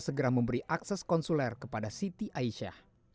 segera memberi akses konsuler kepada siti aisyah